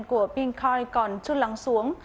của pinkoi còn chưa lắng xuống